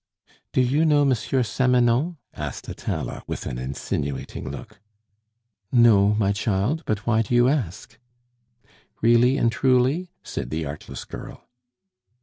"Do you know Monsieur Samanon?" asked Atala, with an insinuating look. "No, my child; but why do you ask?" "Really and truly?" said the artless girl.